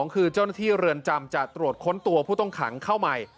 คือเจ้าหน้าที่เรือนจำจะตรวจค้นตัวผู้ต้องขังเข้าใหม่